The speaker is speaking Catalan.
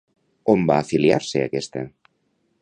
On va afiliar-se aquesta?